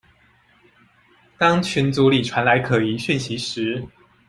當群組裡傳來可疑的訊息時